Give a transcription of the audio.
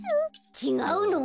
ちがうの？